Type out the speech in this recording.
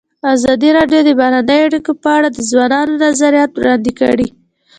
ازادي راډیو د بهرنۍ اړیکې په اړه د ځوانانو نظریات وړاندې کړي.